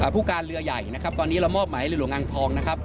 ผู้การเรือใหญ่ตอนนี้เรามอบมาให้เรือหลวงอังทอง